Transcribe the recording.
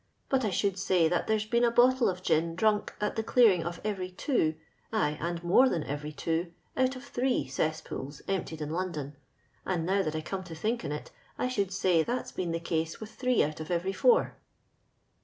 But I should say that tliere's been a bottle of gin drunk at the clearing of every two, ay, and more than every two, out of three cesspools emptied in London ; and now that I come to think on it, 1 should say that's been the case with three out of every four."